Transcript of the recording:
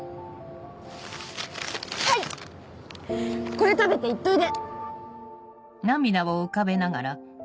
これ食べて行っといで！